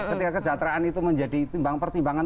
ketika kesejahteraan itu menjadi timbang pertimbangan